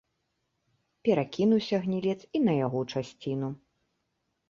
Перакінуўся гнілец і на яго часціну.